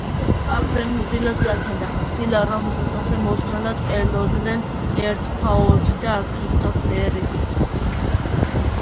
აფრენის დილაც გათენდა. დილა, რომელსაც ასე მოუთმენლად ელოდნენ ერთაოზი და ქრისტეფორე.